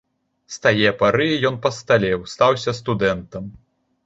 З тае пары ён пасталеў, стаўся студэнтам.